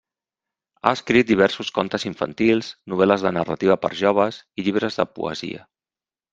Ha escrit diversos contes infantils, novel·les de narrativa per a joves i llibres de poesia.